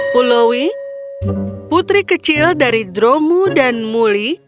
pulowi putri kecil dari dromu dan mulih